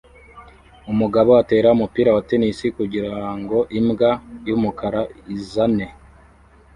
Umugabo atera umupira wa tennis kugirango imbwa yumukara izane